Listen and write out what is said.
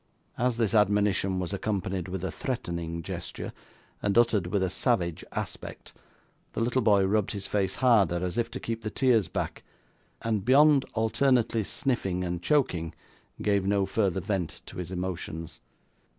As this admonition was accompanied with a threatening gesture, and uttered with a savage aspect, the little boy rubbed his face harder, as if to keep the tears back; and, beyond alternately sniffing and choking, gave no further vent to his emotions.